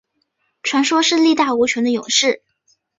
传说是力大无穷的勇士。